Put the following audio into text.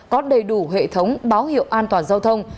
có đầy đủ hệ thống báo hiệu an toàn giao thông